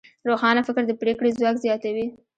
روښانه فکر د پرېکړې ځواک زیاتوي.